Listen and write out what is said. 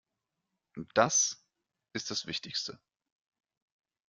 Und das ist das Wichtigste.